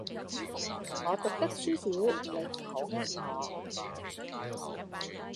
我讀得書少，你唔好呃我